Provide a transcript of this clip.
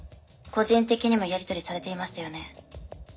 個人的にもやりとりされていましたよね。